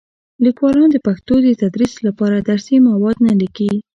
لیکوالان د پښتو د تدریس لپاره درسي مواد نه لیکي.